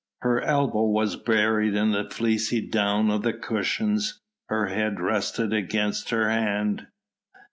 Her elbow was buried in the fleecy down of the cushions; her head rested against her hand.